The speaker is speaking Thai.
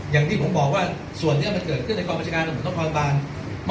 อย่างที่ผมบอกว่าส่วนเนี้ยมันเกิดขึ้นในกรบบัญชาการหรือเหมือนต้องความร้อนบ้าน